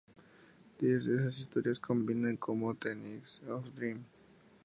Diez de esas historias de combinan como "Ten Nights of Dream".